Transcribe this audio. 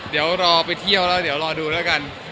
เดี๋ยวรอไปเที่ยวก็รอดูแล้วกัน